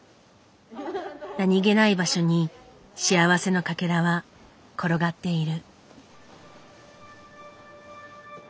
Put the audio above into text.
何気ない場所に幸せのかけらは転がっている。